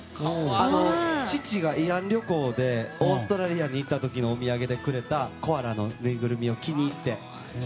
父が慰安旅行でオーストラリアに行った時にお土産でくれたコアラのぬいぐるみを気に入って。